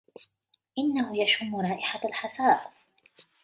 إنه يشم رائحة الحساء.